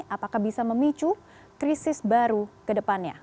apakah bisa memicu krisis baru ke depannya